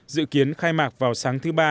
dự kiến khai mạc vào sáng thứ ba